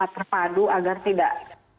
terpadu agar tidak